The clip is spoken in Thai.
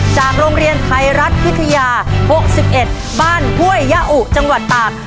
จากโรงเรียนไทยรัฐพิทยาหกสิบเอ็ดบ้านบ้วยยะอุจังหวัดตาก